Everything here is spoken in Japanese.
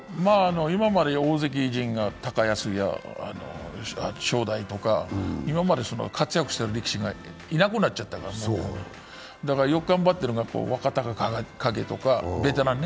今まで大関陣が高安や正代とか今で活躍した力士がいなくなったからだから、よく頑張ってるなと、若隆景とかベテランね。